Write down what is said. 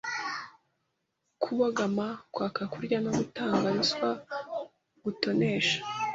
kubogama, kwaka, kurya no gutanga ruswa, gutonesha